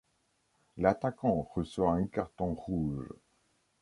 L'attaquant reçoit un carton rouge.